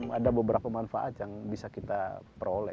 ada beberapa manfaat yang bisa kita peroleh